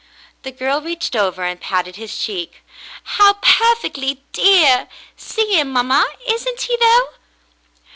The girl reached over and patted his cheek. "How perfectly dear. See him, mamma. Isn't he, though